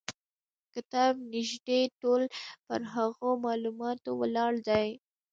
کتاب نیژدې ټول پر هغو معلوماتو ولاړ دی.